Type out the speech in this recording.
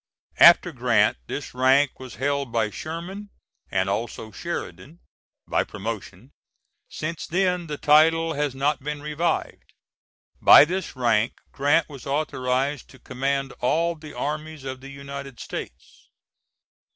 After Grant this rank was held by Sherman and also Sheridan, by promotion; since then the title has not been revived. By this rank Grant was authorized to command all the armies of the United States.